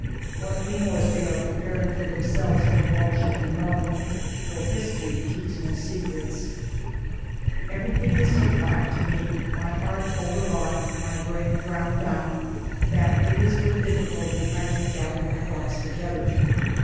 What remorse they are preparing for themselves when all shall be known, for history keeps no secrets ! Everything is so black to me, my heart over wrought, my brain ground down, that it is with difficulty I can gather my thoughts together.